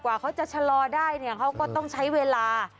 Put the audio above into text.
กว่าเขาจะชะลอได้เนี่ยเขาก็ต้องใช้เวลา